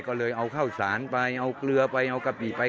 ก็เลยเอาข้าวสารไปเอาเกลือไปเอากะปิไป